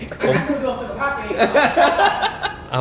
คุณดูดวงสภาพกันอีกหรอ